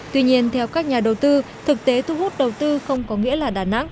tuy nhiên theo các nhà đầu tư thực tế thu hút đầu tư không có nghĩa là đà nẵng